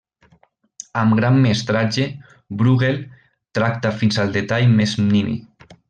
Amb gran mestratge Brueghel tracta fins al detall més nimi.